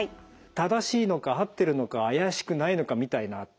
正しいのか合ってるのか怪しくないのかみたいなって